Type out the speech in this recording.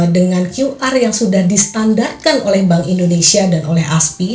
dengan qr yang sudah distandarkan oleh bank indonesia dan oleh aspi